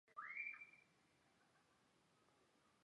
后来的凯旋仪式变得越来越复杂。